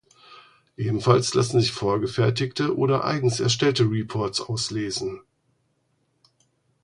Ebenfalls lassen sich vorgefertigte oder eigens erstellte Reports auslesen.